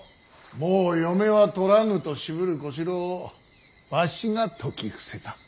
もう嫁は取らぬと渋る小四郎をわしが説き伏せた。